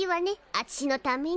あちしのために。